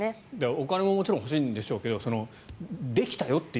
お金ももちろん欲しいんでしょうけどできたよという。